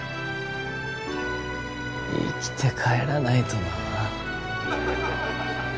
生きて帰らないとな。